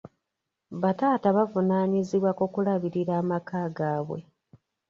Bataata bavunaanyizibwa ku kulabirira amaka gaabwe.